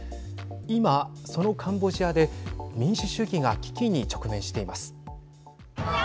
今、そのカンボジアで民主主義が危機に直面しています。